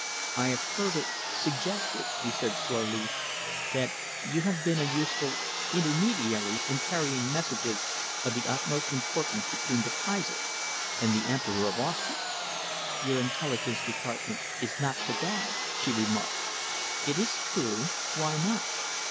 "I have heard it suggested," he said slowly, "that you have been a useful intermediary in carrying messages of the utmost importance between the Kaiser and the Emperor of Austria." "Your Intelligence Department is not so bad," she remarked. "It is true. Why not?